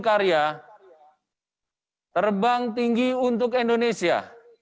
karya terbang tinggi untuk indonesia